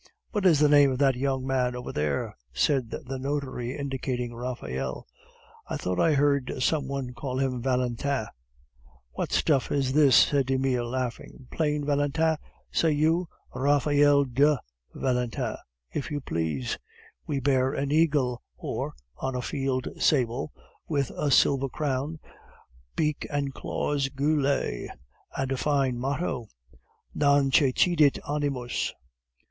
"What is the name of that young man over there?" said the notary, indicating Raphael. "I thought I heard some one call him Valentin." "What stuff is this?" said Emile, laughing; "plain Valentin, say you? Raphael DE Valentin, if you please. We bear an eagle or, on a field sable, with a silver crown, beak and claws gules, and a fine motto: NON CECIDIT ANIMUS.